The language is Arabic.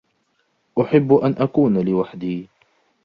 احب أن اكون لوحدي